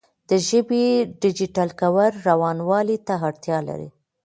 د ژبې ډیجیټل کول روانوالي ته اړتیا لري.